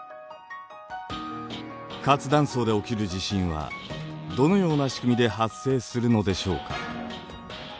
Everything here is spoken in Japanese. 活断層で起きる地震はどのような仕組みで発生するのでしょうか。